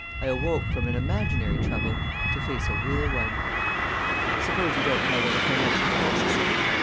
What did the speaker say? I awoke from an imaginary trouble to face a real one. I suppose you don't know what a financial crisis is?